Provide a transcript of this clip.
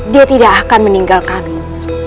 dia tidak akan meninggalkanmu